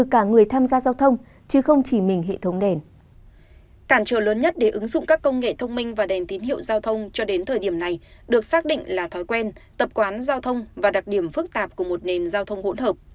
cản trở lớn nhất để ứng dụng các công nghệ thông minh và đèn tín hiệu giao thông cho đến thời điểm này được xác định là thói quen tập quán giao thông và đặc điểm phức tạp của một nền giao thông hỗn hợp